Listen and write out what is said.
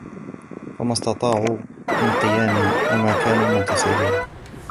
فما استطاعوا من قيام وما كانوا منتصرين